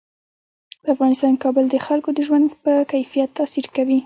په افغانستان کې کابل د خلکو د ژوند په کیفیت تاثیر کوي.